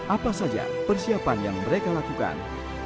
apa saja persiapan yang mereka lakukan